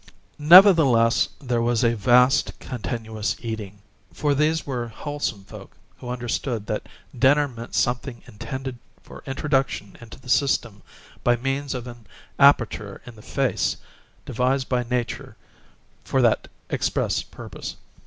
Nevertheless, there was a vast, continuous eating, for these were wholesome folk who understood that dinner meant something intended for introduction into the system by means of an aperture in the face, devised by nature for that express purpose.